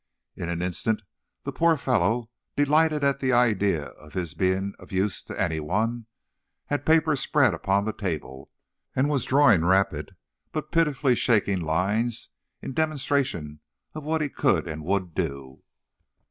In an instant the poor fellow, delighted at the idea of his being of use to any one, had paper spread upon the table, and was drawing rapid but pitifully shaky lines in demonstration of what he could and would do.